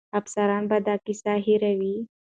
افسران به دا کیسه هېروي.